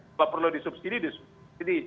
kalau perlu disubsidi disubsidi